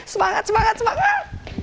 semangat semangat semangat